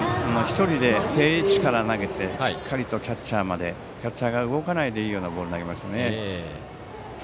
１人で定位置から投げてしっかりとキャッチャーまでキャッチャーが動かないでいいようなボールを投げましたね。